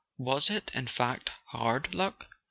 Was it in fact hard luck?